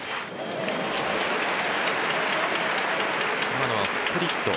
今のはスプリット。